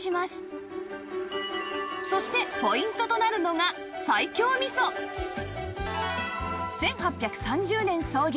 そしてポイントとなるのが１８３０年創業